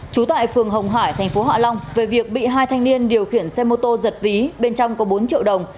chú tại phường hồng hải tp hạ long về việc bị hai thanh niên điều khiển xe mô tô giật ví bên trong có bốn triệu đồng